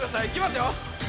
いきますよ。